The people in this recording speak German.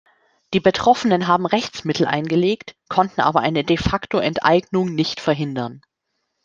Die Betroffenen haben Rechtsmittel eingelegt, konnten aber eine De-facto-Enteignung nicht verhindern.